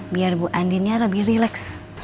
biar ibu aninnya lebih relax